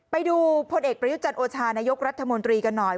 ไปดูพลเอกประยุจันทร์โอชานายกรัฐมนตรีกันหน่อย